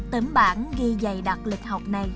tấm bản ghi dạy đạt lịch học